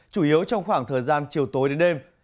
chủ yếu trong khoảng thời gian chiều tối đến đêm